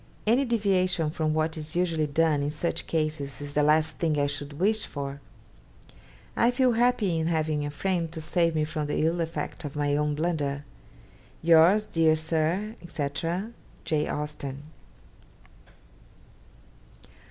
Any deviation from what is usually done in such cases is the last thing I should wish for. I feel happy in having a friend to save me from the ill effect of my own blunder. 'Yours, dear Sir, &c. 'J. AUSTEN.'